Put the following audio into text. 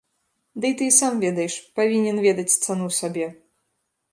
Дый ты і сам ведаеш, павінен ведаць цану сабе.